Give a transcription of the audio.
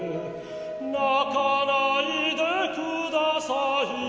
「泣かないでください」